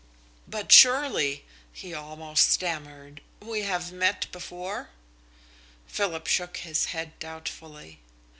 "But surely," he almost stammered, "we have met before?" Philip shook his head doubtfully.